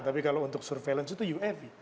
tapi kalau untuk surveillance itu uav